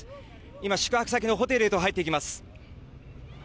今、宿泊先のホテルへと入っていきます。